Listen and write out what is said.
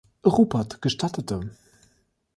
Rupert gestattete.